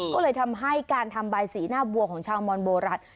ก็เลยทำให้การทำบายสีหน้าบัวของชาวมอนโบรัส